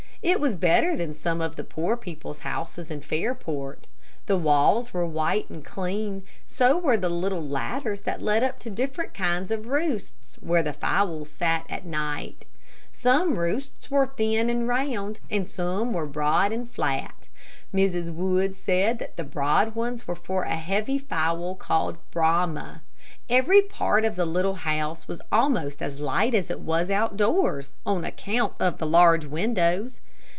It was better than some of the poor people's houses in Fairport. The walls were white and clean, so were the little ladders that led up to different kinds of roosts, where the fowls sat at night. Some roosts were thin and round, and some were broad and flat. Mrs. Wood said that the broad ones were for a heavy fowl called the Brahma. Every part of the little house was almost as light as it was out doors, on account of the large windows.